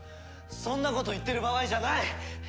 そんなこと言ってる場合じゃない！